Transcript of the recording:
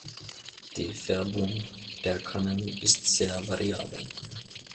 Die Färbung der Kannen ist sehr variabel.